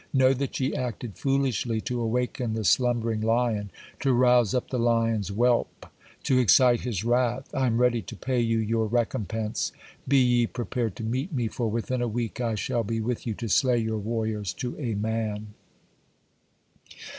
Know that ye acted foolishly to awaken the slumbering lion, to rouse up the lion's whelp, to excite his wrath. I am ready to pay you your recompense. Be ye prepared to meet me, for within a week I shall be with you to slay your warriors to a man."